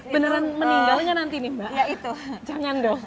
beneran meninggal nanti ini mbak